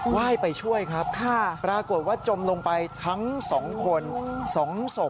ว่ายไปช่วยครับปรากฏว่าจมลงไปทั้ง๒คน๒ศพ